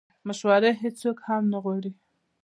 مشورې هیڅوک هم نه غواړي